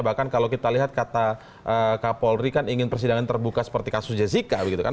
bahkan kalau kita lihat kata kak polri kan ingin persidangan terbuka seperti kasus jessica